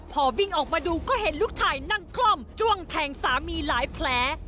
พอวิ่งออกมาดูก็เห็นลูกชายนั่งคล่อมจ้วงแทงสามีหลายแผล